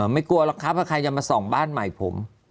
ไม่กลัวหรอกครับว่าใครจะมาส่องบ้านใหม่ผม